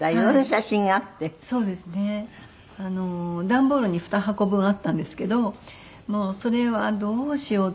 段ボールに２箱分あったんですけどもうそれはどうしようって。